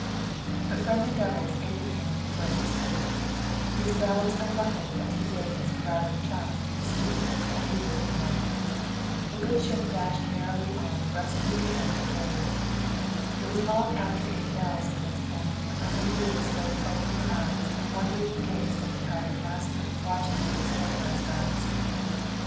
But friendly devils aided him with adroit whispers. His brow was unruffled as he bade his carousing chum, the steward, adieu at midnight. The good ship dashed merrily on breasting the Atlantic waves. It was long after eight bells the next morning when Irma Gluyas slowly opened her eyes and wonderingly gazed at her tyrant master watching her with steadfast eyes.